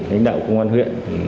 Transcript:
hãnh đạo công an huyện